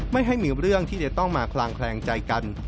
ไม่ให้มีเรื่องที่จะต้องมาคลางแคลงใจกัน